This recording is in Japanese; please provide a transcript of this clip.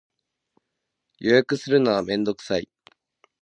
予約するのはめんどくさい